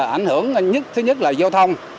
ảnh hưởng thứ nhất là giao thông